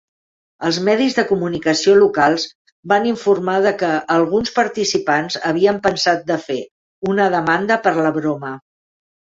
Els medis de comunicació locals van informar de que alguns participants havien pensat de fer una demanda per la broma.